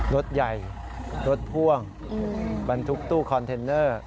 รถใหญ่รถพ่วงบรรทุกตู้คอนเทนเนอร์